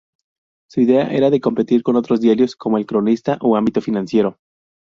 Su idea era competir con otros diarios como El Cronista o Ámbito Financiero.